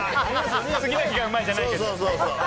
次の日がうまいじゃないけど。